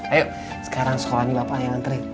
ayo sekarang sekolah ini bapak yang ngeri